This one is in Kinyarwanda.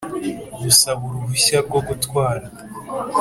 Gusaba uruhushya rwo gutwara